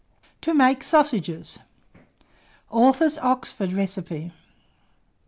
TO MAKE SAUSAGES. (Author's Oxford Recipe.)